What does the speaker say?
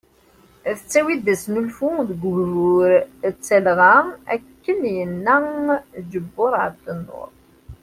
Tettawi-d asnulfu deg ugbur d talɣa ,akken yenna Ǧebur Ɛebdnur.